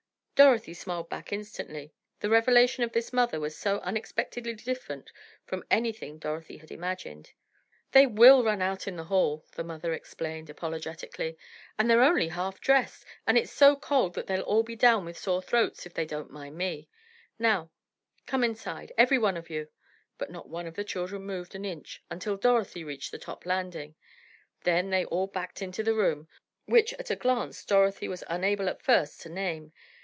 Dorothy smiled back instantly, the revelation of this mother was so unexpectedly different from anything Dorothy had imagined. "They will run out in the hall," the mother explained, apologetically, "and they're only half dressed, and it's so cold that they'll all be down with sore throats, if they don't mind me. Now come inside, every one of you!" But not one of the children moved an inch until Dorothy reached the top landing, then they all backed into the room, which at a glance Dorothy was unable at first to name.